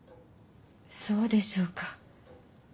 そうでしょうか？